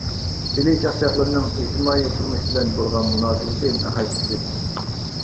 ئىلى چاقچاقلىرىنىڭ ئىجتىمائىي تۇرمۇش بىلەن بولغان مۇناسىۋىتى ناھايىتى زىچ.